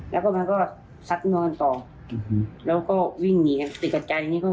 แล้วก็มันก็ซัดนอนต่อแล้วก็วิ่งหนีกันติดกับใจนี่ก็